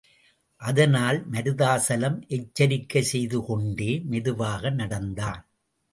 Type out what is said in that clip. அதனால் மருதாசலம் எச்சரிக்கை செய்துகொண்டே, மெதுவாக நடந்தான்.